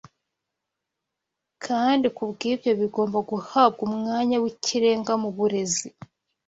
kandi kubw’ibyo bigomba guhabwa umwanya w’ikirenga mu burezi